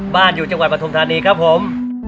บ้านอยู่จังหวัดบทมธานีครับผม